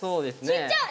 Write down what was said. ちっちゃい！